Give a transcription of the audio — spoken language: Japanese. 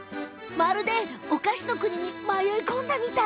まるでお菓子の国に迷い込んだみたい！